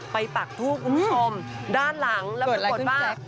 ไปปากทู้กลุ่มคุณผู้ชมด้านหลังเกิดละคนว่า